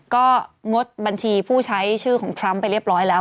ก็งดบัญชีผู้ใช้ชื่อของทรัมป์ไปเรียบร้อยแล้ว